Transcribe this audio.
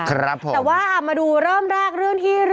ครับผมแต่ว่ามาดูเริ่มแรกเรื่องที่